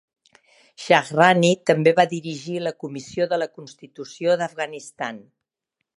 Shahrani també va dirigir la Comissió de la Constitució d'Afganistan.